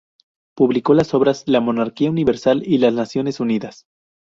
Publicó las obras "La monarquía universal" y "Las Naciones Unidas".